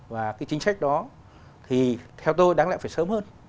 và cái chính sách đó thì theo tôi đáng lẽ phải sớm hơn